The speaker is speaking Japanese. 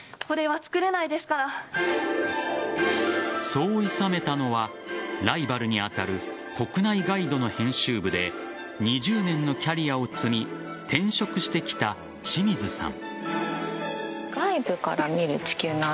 そういさめたのはライバルに当たる国内ガイドの編集部で２０年のキャリアを積み転職してきた清水さん。